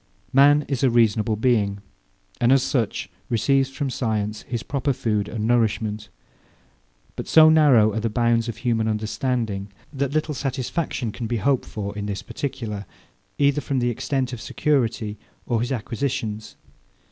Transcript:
Man is a reasonable being; and as such, receives from science his proper food and nourishment: But so narrow are the bounds of human understanding, that little satisfaction can be hoped for in this particular, either from the extent of security or his acquisitions.